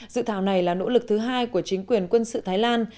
dự thảo này là nỗ lực thứ hai của chính quyền quân sự thái lan